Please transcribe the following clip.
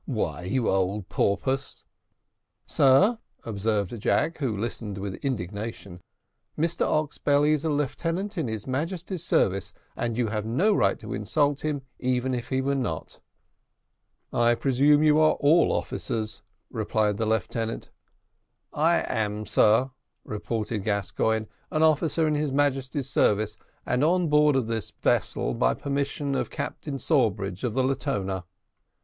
why, you old porpoise!" "Sir," observed Jack, who listened with indignation, "Mr Oxbelly is a lieutenant in his Majesty's service, and you have no right to insult him, even if he were not." "I presume you are all officers," replied the lieutenant. "I am, sir," retorted Gascoigne, "an officer in his Majesty's service, and on board of this vessel by permission of Captain Sawbridge of the Latona."